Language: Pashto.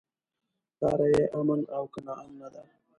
لاره يې امن او که ناامنه ده.